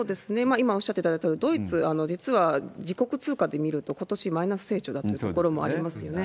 今おっしゃっていただいたドイツ、実は自国通貨で見ると、ことしマイナス成長だっていうところもありますよね。